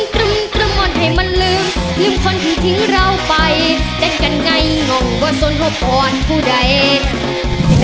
คุณเน้นนะคุณเน้น